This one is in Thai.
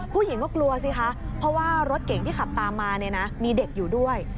ผู้หญิงก็กลัวสิคะเพราะว่ารถเก่งที่ขับตามมาเนี่ยนะมีเด็กอยู่ด้วย